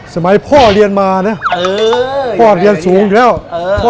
สมัยพ่อเรียนมานะเออพ่อเรียนสูงอยู่แล้วเออ